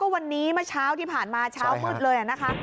วันนี้เมื่อเช้าที่ผ่านมาเช้ามืดเลยนะคะ